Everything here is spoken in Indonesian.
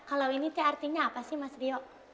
apa artinya ini